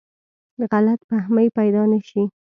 غلط فهمۍ پیدا نه شي.